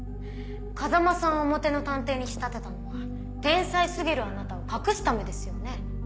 風真さんを表の探偵に仕立てたのは天才過ぎるあなたを隠すためですよね。